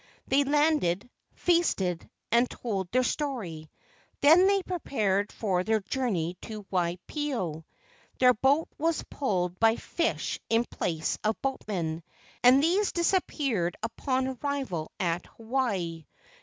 They landed, feasted, and told their story. Then they prepared for their jour¬ ney to Waipio. Their boat was pulled by fish in place of boatmen, and these disappeared upon arrival at Hawaii.